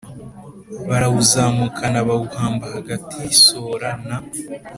barawuzamukana bawuhamba hagati y i Sora na